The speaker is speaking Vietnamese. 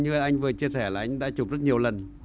như anh vừa chia sẻ là anh đã chụp rất nhiều lần